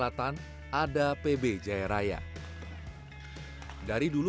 saya sudah berusaha untuk mencari atlet